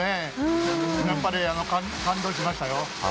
やっぱり感動しましたよ。